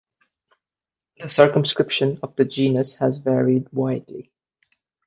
The circumscription of the genus has varied widely.